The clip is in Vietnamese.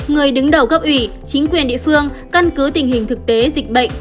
người đứng đầu cấp ủy chính quyền địa phương căn cứ tình hình thực tế dịch bệnh